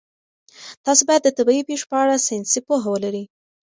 تاسي باید د طبیعي پېښو په اړه ساینسي پوهه ولرئ.